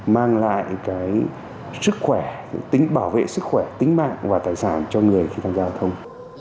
mang lại cái sức khỏe tính bảo vệ sức khỏe tính mạng và tài sản cho người khi tham gia giao thông